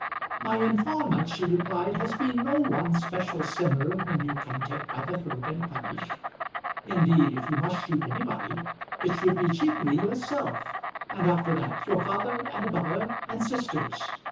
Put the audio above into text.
"My informant," she replied, "has been no one special sinner whom you can take by the throat and punish. Indeed, if you must shoot anybody, it should be chiefly yourself, and after that your father, and mother, and sisters.